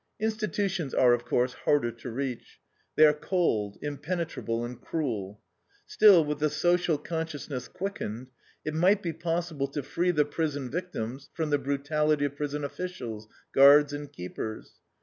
Institutions are, of course, harder to reach. They are cold, impenetrable, and cruel; still, with the social consciousness quickened, it might be possible to free the prison victims from the brutality of prison officials, guards, and keepers.